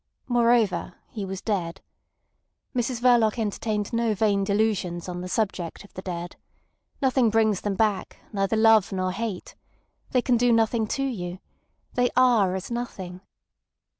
Moreover, he was dead. Mrs Verloc entertained no vain delusions on the subject of the dead. Nothing brings them back, neither love nor hate. They can do nothing to you. They are as nothing.